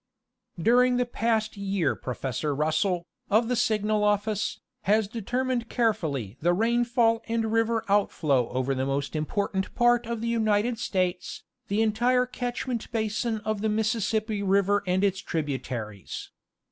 During the past year Professor Russell, of the Signal Office, has determined carefully the rainfall and river outflow over the most important part of the United States, the entire catchment basin of the Mississippi river and its tributaries.